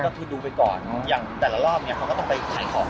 ก็คือดูไปก่อนอย่างแต่ละรอบเนี่ยเขาก็ต้องไปขายของ